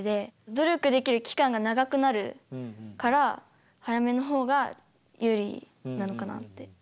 努力できる期間が長くなるから早めの方が有利なのかなって。